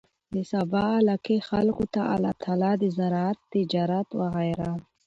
د سبا علاقې خلکو ته الله تعالی د زراعت، تجارت وغيره